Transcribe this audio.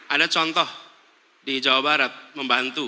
ada contoh di jawa barat membantu